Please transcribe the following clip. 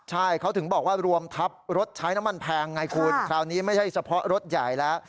ใช่เขาถึงบอกว่ารวมทับรถใช้น้ำมันแพงไงคุณคราวนี้ไม่ใช่เฉพาะรถใหญ่แล้ว